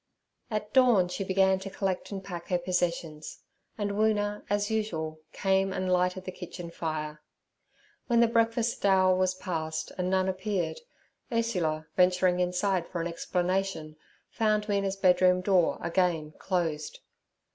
At dawn she began to collect and pack her possessions, and Woona, as usual, came and lighted the kitchen fire. When the breakfast hour was past, and none appeared, Ursula venturing inside for an explanation, found Mina's bedroom door again closed.